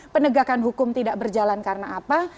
penegakan hukum tidak berjalan karena apa